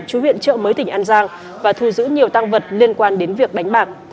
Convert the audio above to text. chú huyện trợ mới tỉnh an giang và thu giữ nhiều tăng vật liên quan đến việc đánh bạc